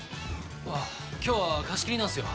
今日は貸し切りなんすよ。